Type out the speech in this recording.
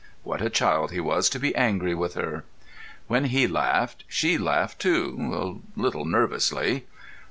What a child he was to be angry with her. When he laughed, she laughed too—a little nervously.